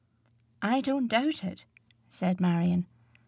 "I don't doubt it," said Marion.